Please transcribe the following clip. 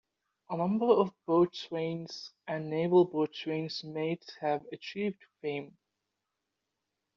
A number of boatswains and naval boatswains mates have achieved fame.